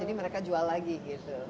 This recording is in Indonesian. jadi mereka jual lagi gitu